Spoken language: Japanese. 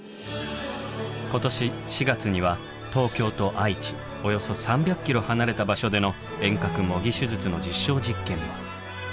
今年４月には東京と愛知およそ３００ｋｍ離れた場所での遠隔模擬手術の実証実験も。